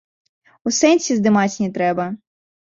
У сэнсе здымаць не трэба.